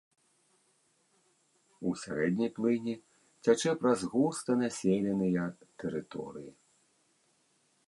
У сярэдняй плыні цячэ праз густа населеныя тэрыторыі.